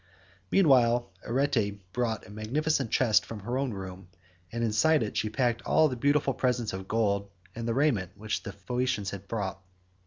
71 Meanwhile Arete brought a magnificent chest from her own room, and inside it she packed all the beautiful presents of gold and raiment which the Phaeacians had brought.